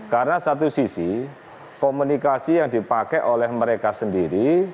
karena satu sisi komunikasi yang dipakai oleh mereka sendiri